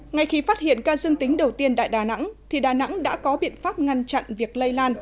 ngay khi phát hiện ca dương tính đầu tiên tại đà nẵng thì đà nẵng đã có biện pháp ngăn chặn việc lây lan